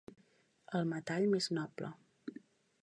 El metall més noble.